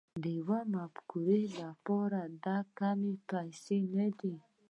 د يوې مفکورې لپاره دا کمې پيسې نه دي.